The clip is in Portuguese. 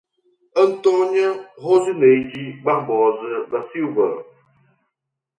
Antônia Rosineide Barbosa da Silva